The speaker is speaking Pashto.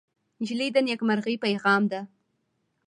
نجلۍ د نیکمرغۍ پېغام ده.